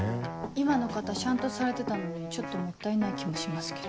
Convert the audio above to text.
今の方しゃんとされてたのにちょっともったいない気もしますけど。